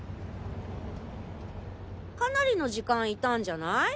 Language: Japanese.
かなりの時間いたんじゃない？